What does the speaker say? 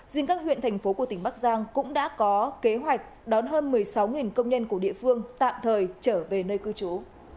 riêng các huyện thành phố của tỉnh bắc giang cũng đã có kế hoạch đón hơn một mươi sáu công nhân của địa phương tạm thời trở về nơi cư trú